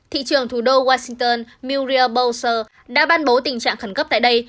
thị trường thủ đô washington muriel bolser đã ban bố tình trạng khẩn cấp tại đây